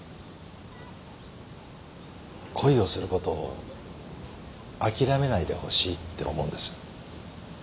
恋をすることを諦めないでほしいって思うんです。